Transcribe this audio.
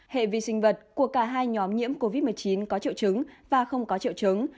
hệ vi sinh vật của cả hai nhóm nhiễm covid một mươi chín có triệu chứng và không có triệu chứng